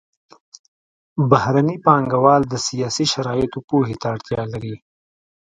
بهرني پانګوال د سیاسي شرایطو پوهې ته اړتیا لري